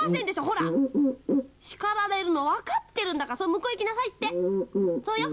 ほら、叱られるの分かっているんだから向こう、行きなさいって。